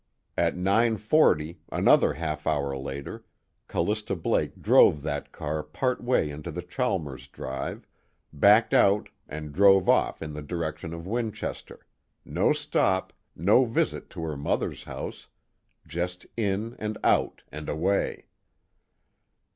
At 9:40, another half hour later, Callista Blake drove that car part way into the Chalmers drive, backed out and drove off in the direction of Winchester no stop, no visit to her mother's house, just in and out and away.